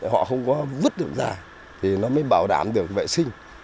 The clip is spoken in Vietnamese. họ không có vứt được già thì nó mới bảo đảm được vệ sinh